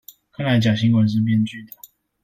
看來假新聞是編劇的